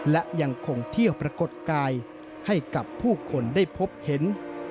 และยังคงเที่ยวปรากฏกายให้กับผู้คนได้พบเห็น